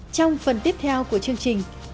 trong phần tiếp theo của chương trình